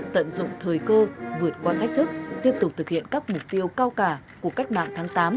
tận dụng thời cơ vượt qua thách thức tiếp tục thực hiện các mục tiêu cao cả của cách mạng tháng tám